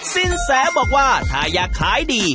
สินแสบอกว่าถ้าอยากขายดี